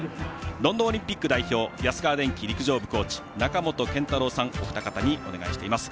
ロンドンオリンピック代表安川電機陸上部コーチ中本健太郎さん、お二方にお願いしています。